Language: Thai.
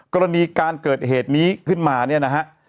กรณีการเกิดเหตุนี้ขึ้นมาเนี่ยนะฮะ